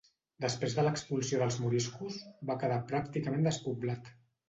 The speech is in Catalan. Després de l'expulsió dels moriscos, va quedar pràcticament despoblat.